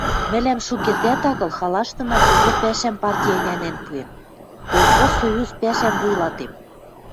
Мӹлӓм шукердӓт агыл халаштына кого пӓшӓм парти ӹнянен пуэн: колхоз союз пӓшӓм вуйлатем...